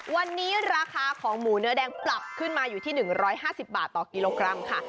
วันนี้ราคาของหมูเนื้อแดงปรับขึ้นมาอยู่ที่๑๕๐บาทต่อกิโลกรัมค่ะ